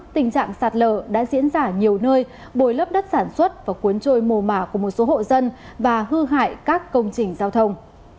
tình trạng sạt lở đã diễn ra nhiều nơi bồi lấp đất sản xuất và cuốn trôi mồ mả của một số hộ dân và hư hại các công trình giao thông